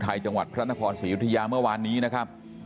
จังหวัดพระนครศรียุธยาเมื่อวานนี้นะครับ